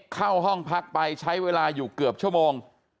เข้าห้องพักไปใช้เวลาอยู่เกือบชั่วโมง